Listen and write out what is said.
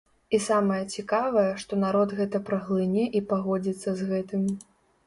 І самае цікавае, што народ гэта праглыне і пагодзіцца з гэтым.